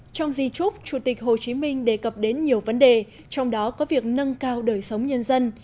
trong di trúc chủ tịch hồ chí minh đề cập đến nhiều vấn đề trong đó có việc nâng cao đời sống nhân dân